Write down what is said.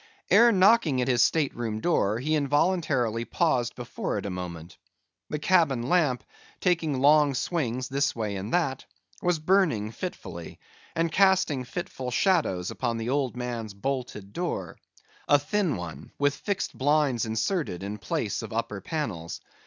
Ere knocking at his state room, he involuntarily paused before it a moment. The cabin lamp—taking long swings this way and that—was burning fitfully, and casting fitful shadows upon the old man's bolted door,—a thin one, with fixed blinds inserted, in place of upper panels.